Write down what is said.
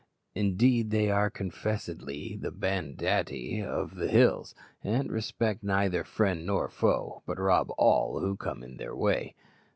Indeed, they are confessedly the banditti of the hills, and respect neither friend nor foe, but rob all who come in their way.